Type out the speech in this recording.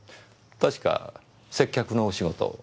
確か接客のお仕事を。